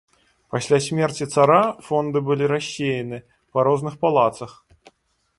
Пасля смерці цара фонды былі рассеяны па розных палацах.